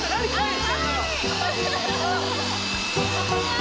あ。